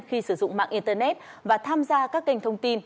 khi sử dụng mạng internet và tham gia các kênh thông tin